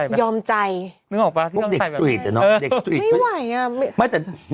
แบบเด็กศ์ตรีทไม่ไหว